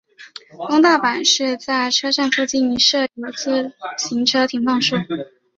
东大阪市在车站附近设有自行车停放处。